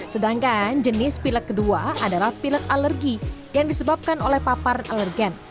sedangkan jenis pilek kedua adalah pilek alergi yang disebabkan oleh paparan alergen